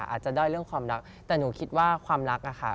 ด้อยเรื่องความรักแต่หนูคิดว่าความรักอะค่ะ